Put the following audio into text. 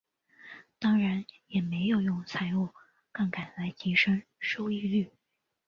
当然也没有用财务杠杆来提升收益率。